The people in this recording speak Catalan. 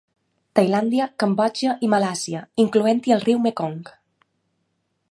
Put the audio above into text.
Tailàndia, Cambodja i Malàisia, incloent-hi el riu Mekong.